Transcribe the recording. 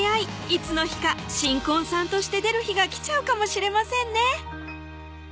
いつの日か新婚さんとして出る日が来ちゃうかもしれませんね